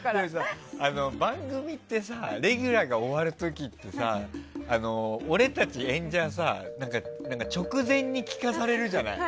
番組ってさ、レギュラーが終わる時ってさ俺たち演者直前に聞かされるじゃない。